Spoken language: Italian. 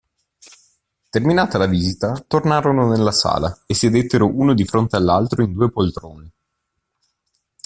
Terminata la visita tornarono nella sala e sedettero uno di fronte all'altro in due poltrone.